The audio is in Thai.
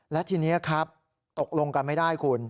และทีนี้ครับตกลงกันไม่ได้คุณ